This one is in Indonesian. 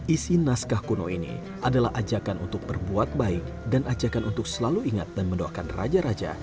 isi naskah kuno ini adalah ajakan untuk berbuat baik dan ajakan untuk selalu ingat dan mendoakan raja raja